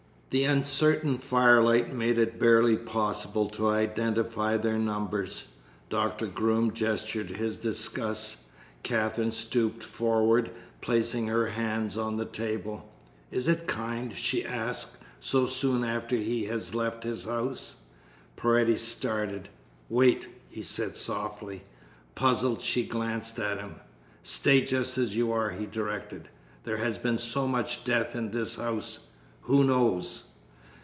The uncertain firelight made it barely possible to identify their numbers. Doctor Groom gestured his disgust. Katherine stooped forward, placing her hands on the table. "Is it kind," she asked, "so soon after he has left his house?" Paredes started. "Wait!" he said softly. Puzzled, she glanced at him. "Stay just as you are," he directed. "There has been so much death in this house who knows?"